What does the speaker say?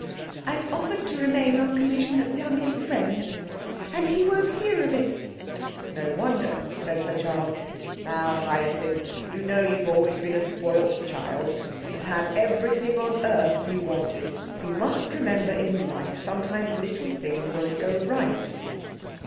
'I've offered to remain, on condition that we are merely friends. And he won't hear of it.' 'No wonder,' said Sir Charles. 'Now Hyacinth you know you've always been a spoilt child and had everything on earth you wanted. You must remember in life sometimes little things won't go right.'